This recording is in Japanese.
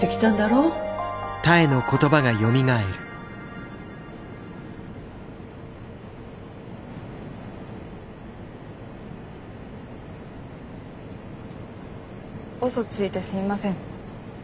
うそついてすいません。